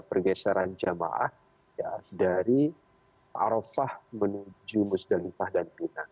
pergeseran jamaah dari arofah menuju musdalifah dan bina